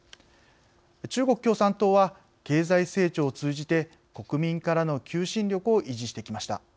中国共産党は、経済成長を通じて国民からの求心力を維持してきました。